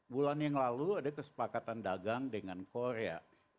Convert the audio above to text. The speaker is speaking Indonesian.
bulan yang lalu ada kesepakatan dagang dengan korea